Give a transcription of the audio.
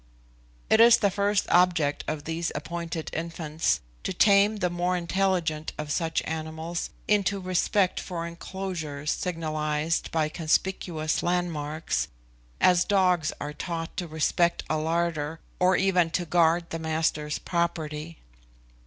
It is the first object of these appointed infants, to tame the more intelligent of such animals into respect for enclosures signalised by conspicuous landmarks, as dogs are taught to respect a larder, or even to guard the master's property.